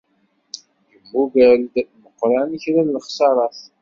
Yemmuger-d Meqqran kra n lexsarat.